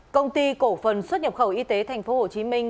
công ty cổ phần xuất nhập khẩu y tế thành phố hồ chí minh